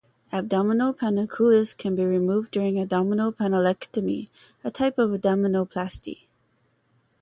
Abdominal panniculus can be removed during abdominal panniculectomy, a type of abdominoplasty.